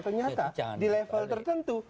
ternyata di level tertentu